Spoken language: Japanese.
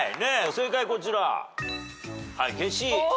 正解こちら。